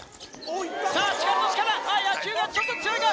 力と力野球がちょっと強いか？